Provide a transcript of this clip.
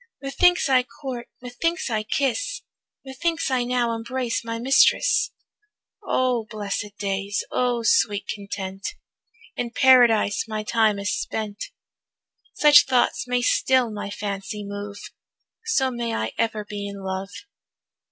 Methinks I court, methinks I kiss, Methinks I now embrace my mistress. O blessed days, O sweet content, In Paradise my time is spent. Such thoughts may still my fancy move, So may I ever be in love.